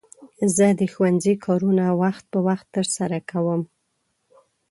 زه د ښوونځي کارونه وخت په وخت ترسره کوم.